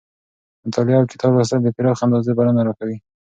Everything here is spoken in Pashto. مطالعه اوکتاب لوستل د پراخې اندازې بلنه راکوي.